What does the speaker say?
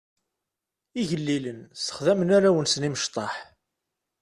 Igellilen ssexdamen arraw-nsen imecṭaḥ.